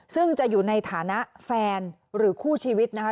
ซึ่งจะอยู่ในฐานะแฟนหรือคู่ชีวิตนะคะ